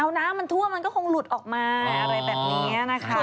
เอาน้ำมันทั่วมันก็คงหลุดออกมาอะไรแบบนี้นะคะ